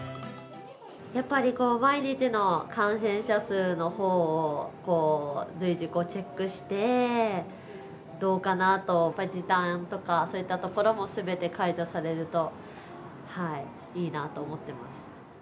やっぱり毎日の感染者数のほうを随時チェックして、どうかなと、やっぱり時短とかそういったところも、すべて解除されるといいなと思ってます。